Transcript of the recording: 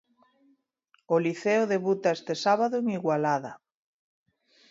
O Liceo debuta este sábado en Igualada.